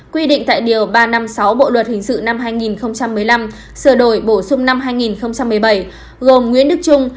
quy định tại điều ba trăm năm mươi sáu bộ luật hình sự năm hai nghìn một mươi năm sửa đổi bổ sung năm hai nghìn một mươi bảy gồm nguyễn đức trung